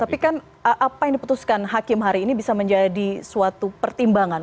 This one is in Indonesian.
tapi kan apa yang diputuskan hakim hari ini bisa menjadi suatu pertimbangan